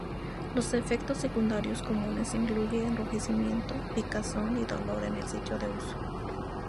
Los efectos secundarios comunes incluyen enrojecimiento, picazón y dolor en el sitio de uso.